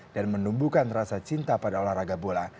dan menumbuhkan rasa cinta pada olahraga bola